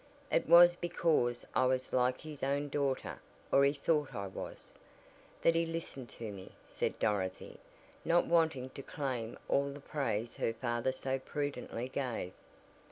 "It was because I was like his own daughter or he thought I was, that he listened to me," said Dorothy, not wanting to claim all the praise her father so prudently gave.